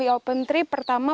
pilih open trip pertama